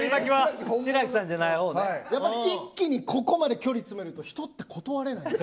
一気に、ここまで距離詰めると人って断れないんで。